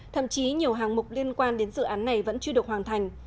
thậm chí nhiều hàng mục liên quan đến dự án này vẫn chưa được hoàn thành